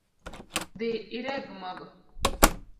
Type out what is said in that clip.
Dhi ireg mogo